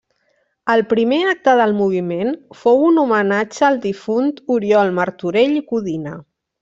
El primer acte del Moviment fou un homenatge al difunt Oriol Martorell i Codina.